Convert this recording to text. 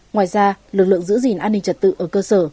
ngoài ra lực lượng giữ gìn an ninh trật tự ở cơ sở